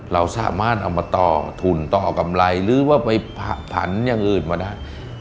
เราสามารถเอามาต่อทุนต่อกำไรหรือว่าไปผันอย่างอื่นมาได้